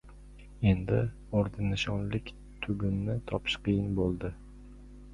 Endi, orden-nishonlik tugunni topish qiyin bo‘ldn.